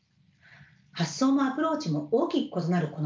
発想もアプローチも大きく異なるこの２つ。